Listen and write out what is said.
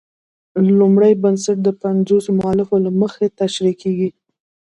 لومړی بنسټ د پنځو مولفو له مخې تشرېح کیږي.